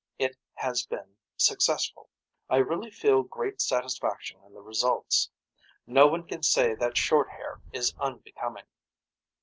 It has been successful. I really feel great satisfaction in the results. No one can say that short hair is unbecoming.